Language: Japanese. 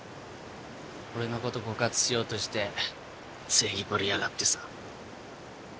俺のこと告発しようとして正義ぶりやがってさ。